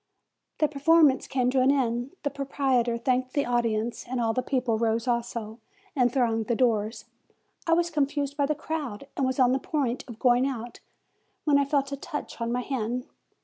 The performance came to an end; the proprietor thanked the audience; and all the people rose also, and thronged the doors. I was confused by the crowd, and was on the point of going out, when I feh a touch on my hand.